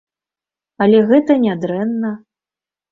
Але гэта не дрэнна.